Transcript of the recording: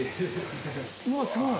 うわすごい。